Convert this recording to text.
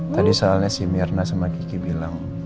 tadi soalnya si mirna sama kiki bilang